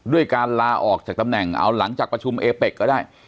ด้วยการลาออกจากตำแหน่งเอาหลังจากประชุมเอเป็กก็ได้